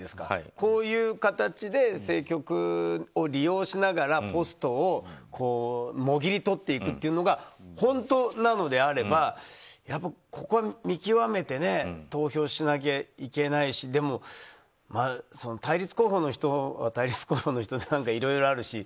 こういう形で政局を利用しながらポストをもぎり取っていくというのが本当なのであればここを見極めて投票しなきゃいけないしでも、対立候補の人は対立候補の人でいろいろあるし。